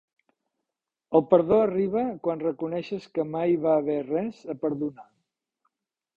El perdó arriba quan reconeixes que mai hi va haver res a perdonar.